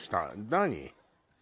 何？